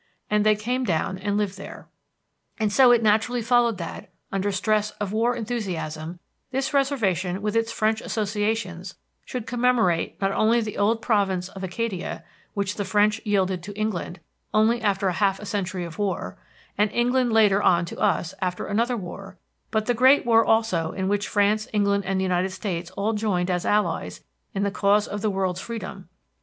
And they came down and lived there." And so it naturally followed that, under stress of war enthusiasm, this reservation with its French associations should commemorate not only the old Province of Acadia, which the French yielded to England only after half a century of war, and England later on to us after another war, but the great war also in which France, England, and the United States all joined as allies in the cause of the world's freedom.